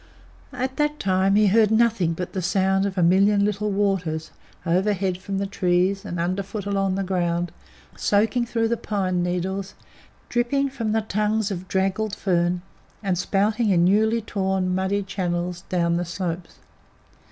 All that time he heard nothing but the sound of a million little waters, overhead from the trees, and underfoot along the ground, soaking through the pine needles, dripping from the tongues of draggled fern, and spouting in newly torn muddy channels down the slopes.